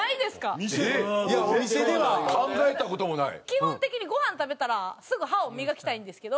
基本的にごはん食べたらすぐ歯を磨きたいんですけど。